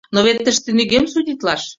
— Но вет тыште нигӧм судитлаш!